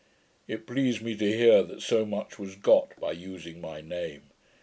It pleased me to hear that so much was got by using my name.